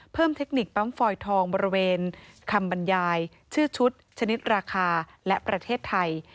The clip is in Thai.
เทคนิคปั๊มฟอยทองบริเวณคำบรรยายชื่อชุดชนิดราคาและประเทศไทย